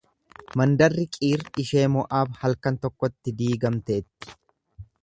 Mandarri Qiir ishee Mo’aab halkan tokkotti diigamteetti.